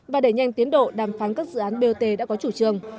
và để nhanh tiến độ đàm phán các dự án bot đã có chủ trường